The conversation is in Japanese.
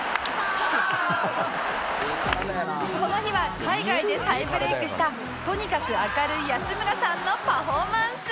この日は海外で再ブレイクしたとにかく明るい安村さんのパフォーマンス